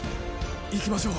行きましょう。